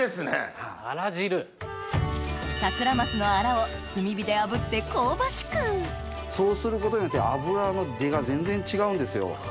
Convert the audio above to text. サクラマスのアラを炭火で炙って香ばしくそうすることによって脂の出が全然違うんですよ。